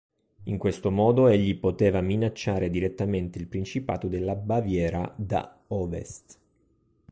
In questo modo egli poteva minacciare direttamente il principato della Baviera da ovest.